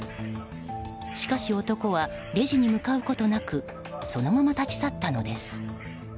しかし男はレジに向かうことなくそのまま立ち去ったのです。